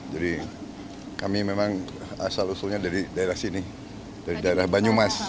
jadi kami memang asal usulnya dari daerah sini dari daerah banyumas